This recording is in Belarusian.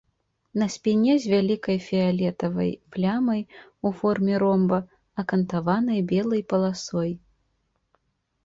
На спіне з вялікай фіялетавай плямай у форме ромба, акантаванай белай паласой.